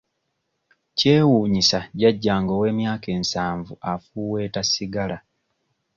Kyewuunyisa jjajjange ow'emyaka ensavu afuuweeta ssigala.